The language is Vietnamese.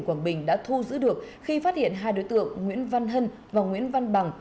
quảng bình đã thu giữ được khi phát hiện hai đối tượng nguyễn văn hân và nguyễn văn bằng